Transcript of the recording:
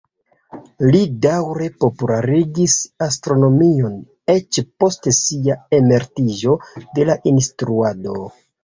Li daŭre popularigis astronomion eĉ post sia emeritiĝo de la instruado.